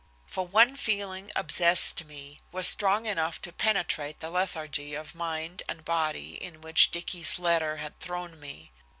For one feeling obsessed me, was strong enough to penetrate the lethargy of mind and body into which Dicky's letter had thrown me.